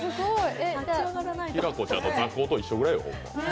きらこちゃんの座高と一緒ぐらいよ。